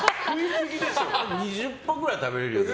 ２０本くらい食べれるよ。